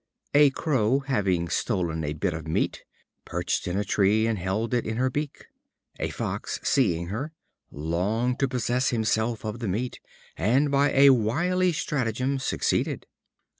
A Crow, having stolen a bit of flesh, perched in a tree, and held it in her beak. A Fox, seeing her, longed to possess himself of the flesh, and by a wily stratagem succeeded.